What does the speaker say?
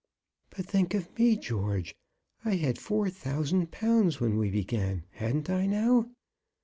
"But think of me, George. I had four thousand pounds when we began. Hadn't I, now?"